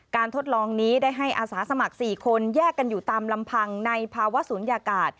ทดลองนี้ได้ให้อาสาสมัคร๔คนแยกกันอยู่ตามลำพังในภาวะศูนยากาศ